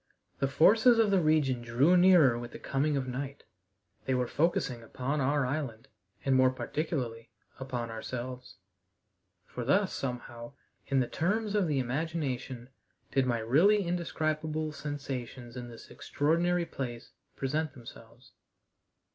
The forces of the region drew nearer with the coming of night. They were focusing upon our island, and more particularly upon ourselves. For thus, somehow, in the terms of the imagination, did my really indescribable sensations in this extraordinary place present themselves.